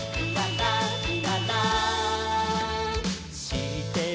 「しってる？